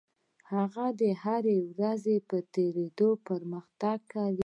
هغه د هرې ورځې په تېرېدو پرمختګ کوي.